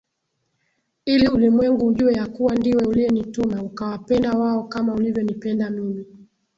ili ulimwengu ujue ya kuwa ndiwe uliyenituma ukawapenda wao kama ulivyonipenda mimi